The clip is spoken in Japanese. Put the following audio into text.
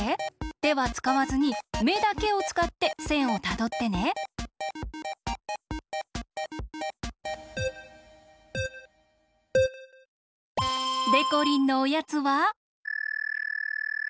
てはつかわずにめだけをつかってせんをたどってね。でこりんのおやつは。